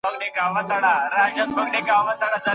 تاسي تل په رڼا کي اوسئ.